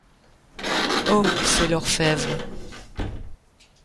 Oh! feit l’orphebvre.